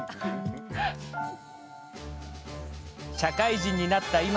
社会人になった